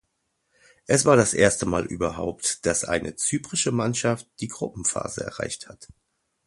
Es war das erste Mal überhaupt, dass eine zyprische Mannschaft die Gruppenphase erreicht hat.